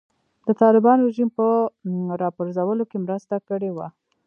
د طالبانو رژیم په راپرځولو کې مرسته کړې وه.